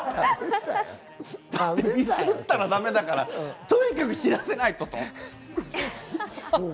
ミスったらダメだから、とにかく知らせないとと思って。